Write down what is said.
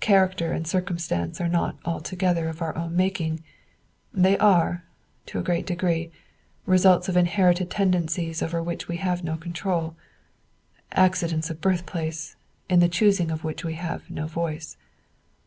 Character and circumstance are not altogether of our own making; they are, to a great degree, results of inherited tendencies over which we have no control, accidents of birthplace, in the choosing of which we had no voice.